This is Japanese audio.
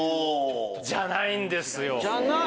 じゃないんですよ！